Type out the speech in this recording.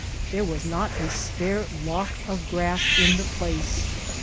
There was not a spare lock of grass in ^he plaee.